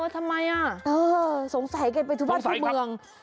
ทำไมสงสัยกันไปทุกบ้านทุกเมือง